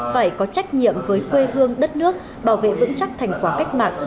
phải có trách nhiệm với quê hương đất nước bảo vệ vững chắc thành quả cách mạng